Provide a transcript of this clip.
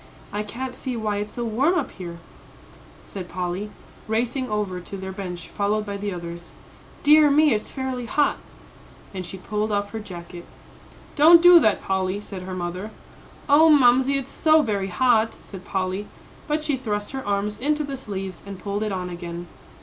"I can't see why it's so warm up here," said Polly, racing over to their bench, followed by the others. "Dear me, it's fairly hot." And she pulled off her jacket. "Don't do that, Polly," said her mother. "Oh, Mamsie, it's so very hot," said Polly; but she thrust her arms into the sleeves and pulled it on again.